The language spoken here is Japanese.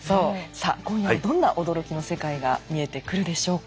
さあ今夜はどんな驚きの世界が見えてくるでしょうか。